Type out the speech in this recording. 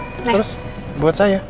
terus buat saya